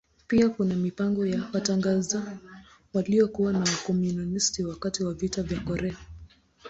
Pia kuna mipango ya kutangaza waliouawa na Wakomunisti wakati wa Vita vya Korea.